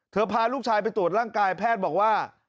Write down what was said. พาลูกชายไปตรวจร่างกายแพทย์บอกว่า